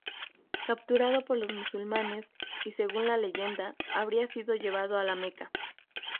Capturado por los musulmanes, y según la leyenda, habría sido llevado a La Meca.